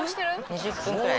２０分くらい。